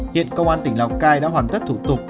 hiện công an tỉnh lào cai đã hoàn tất thủ tục